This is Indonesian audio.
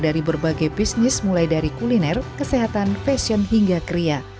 dari berbagai bisnis mulai dari kuliner kesehatan fashion hingga kria